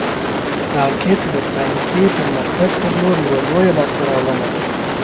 راکټ د ساینسي پرمختګ پر لور یوه لویه لاسته راوړنه ده